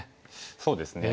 そうですね。